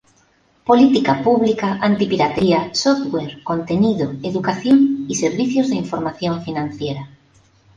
Política Pública, Anti-piratería, Software, Contenido, Educación, y Servicios de Información Financiera.